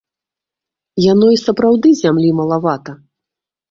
Яно і сапраўды зямлі малавата.